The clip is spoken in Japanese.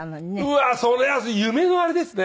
うわーそれは夢のあれですね。